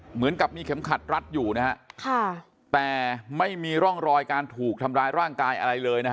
เหมือนกับมีเข็มขัดรัดอยู่นะฮะค่ะแต่ไม่มีร่องรอยการถูกทำร้ายร่างกายอะไรเลยนะฮะ